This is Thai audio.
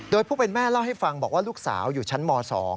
โดยผู้เป็นแม่เล่าให้ฟังบอกว่าลูกสาวอยู่ชั้นม๒